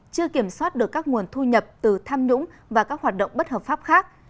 chưa kiểm soát được các nguồn thu nhập từ tham nhũng và các hoạt động bất hợp pháp khác